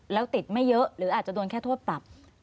แล้วติดไม่เยอะหรืออาจจะโดนแค่โทษปรับ